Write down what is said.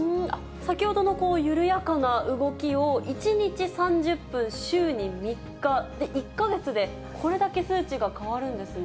先ほどの緩やかな動きを１日３０分、週に３日で１か月でこれだけ数値が変わるんですね。